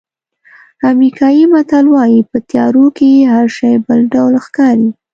امریکایي متل وایي په تیارو کې هر شی بل ډول ښکاري.